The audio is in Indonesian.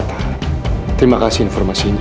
terima kasih informasinya